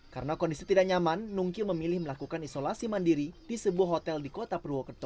karena kondisi tidak nyaman nungki memilih melakukan isolasi mandiri di sebuah hotel di kota purwakerto